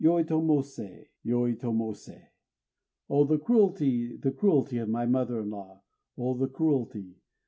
Yoitomosé, Yoitomosé!_ Oh! the cruelty, the cruelty of my mother in law! _Oh! the cruelty!